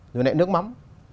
rồi lại nước mắm